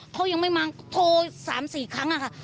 โทรยังไม่มาโทร๓๔ครั้งค่ะค่ะ